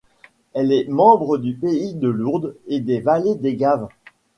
Elle est membre du Pays de Lourdes et des Vallées des Gaves.